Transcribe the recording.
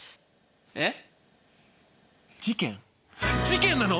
えっ？